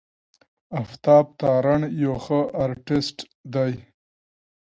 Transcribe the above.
آفتاب تارڼ يو ښه آرټسټ دی.